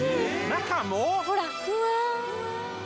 中も！？